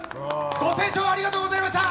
ご清聴ありがとうございました。